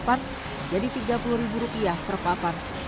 menjadi rp tiga puluh per papan